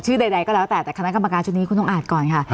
ใดก็แล้วแต่แต่คณะกรรมการชุดนี้คุณองค์อาจก่อนค่ะ